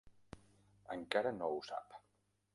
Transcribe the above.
Encara no ho sap.